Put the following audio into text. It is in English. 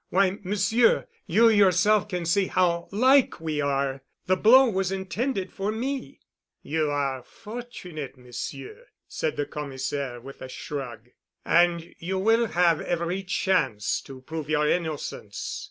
"Why, Monsieur, you yourself can see how like we are. The blow was intended for me——" "You are fortunate, Monsieur," said the Commissaire, with a shrug. "And you will have every chance to prove your innocence.